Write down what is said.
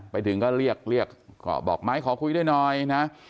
ไปถึงก็เรียกเรียกก็บอกไม้ขอคุยด้วยหน่อยนะ